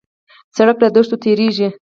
سړک له دښتو تېرېږي.